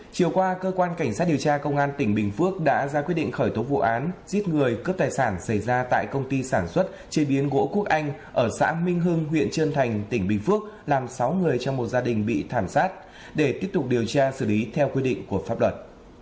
chiều qua cơ quan cảnh sát điều tra công an tỉnh bình phước đã ra quyết định khởi tố vụ án giết người cướp tài sản xảy ra tại công ty sản xuất chế biến gỗ quốc anh ở xã minh hưng huyện trân thành tỉnh bình phước làm sáu người trong một gia đình bị thảm sát để tiếp tục điều tra xử lý theo quy định của pháp luật